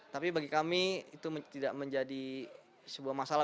tapi bagi kami itu tidak menjadi sebuah masalah